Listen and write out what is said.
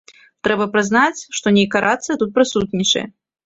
Трэба прызнаць, што нейкая рацыя тут прысутнічае.